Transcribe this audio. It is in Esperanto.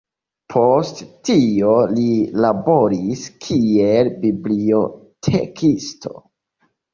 Post tio li laboris kiel bibliotekisto.